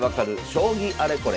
将棋あれこれ」。